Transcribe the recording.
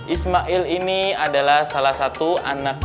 ismail ini adalah salah satu anak